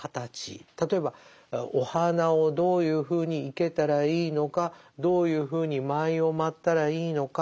例えばお花をどういうふうに生けたらいいのかどういうふうに舞を舞ったらいいのか。